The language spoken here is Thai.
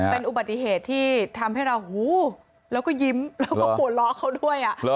เป็นอุบัติเหตุที่ทำให้เราหูแล้วก็ยิ้มแล้วก็หัวเราะเขาด้วย